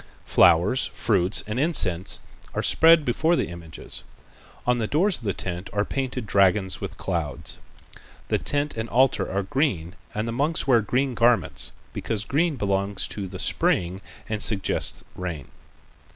Flowers, fruits and incense are spread before the images. On the doors of the tent are painted dragons with clouds. The tent and altar are green and the monks wear green garments, because green belongs to the spring and suggests rain.